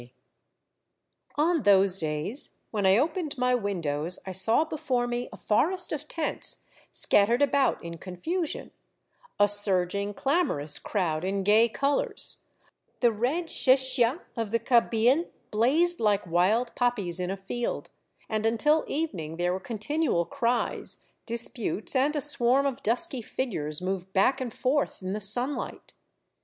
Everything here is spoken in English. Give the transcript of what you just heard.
140 Monday Tales, On those days, when I opened my windows I saw before me a forest of tents scattered about in confusion, a surging, clamorous crowd in gay colors; the red chechias of the Kabyles blazed like wild poppies in a field, and until evening there were continual cries, disputes, and a swarm of dusky figures moved back and forth in the sun light.